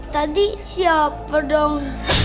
tadi siapa dong